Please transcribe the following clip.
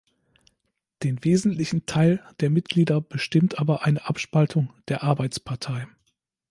Den wesentlichen Teil der Mitglieder bestimmt aber eine Abspaltung der Arbeitspartei.